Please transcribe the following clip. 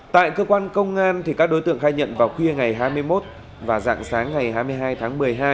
tại cơ quan công an các đối tượng khai nhận vào khuya ngày hai mươi một và dạng sáng ngày hai mươi hai tháng một mươi hai